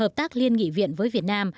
hợp tác liên nghị viện với việt nam